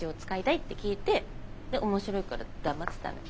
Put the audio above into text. で面白いから黙ってたの。